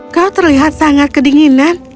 kau terlihat sangat kedinginan